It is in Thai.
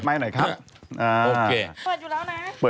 จากธนาคารกรุงเทพฯ